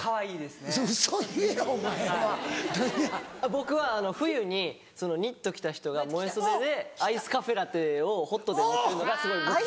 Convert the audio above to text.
僕は冬にニット着た人が萌え袖でアイスカフェラテをホットで持ってるのが僕好き。